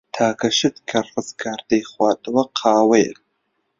تاکە شتێک کە ڕزگار دەیخواتەوە، قاوەیە.